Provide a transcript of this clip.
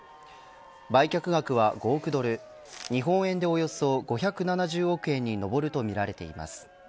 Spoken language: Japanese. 売却額は５億ドル日本円でおよそ５７０億円に上るとみられています。